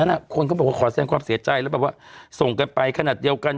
คนก็บอกว่าขอแสดงความเสียใจแล้วแบบว่าส่งกันไปขนาดเดียวกัน